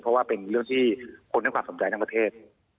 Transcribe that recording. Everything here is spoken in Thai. เพราะว่าเป็นเรื่องที่คนให้ความสนใจทั้งประเทศ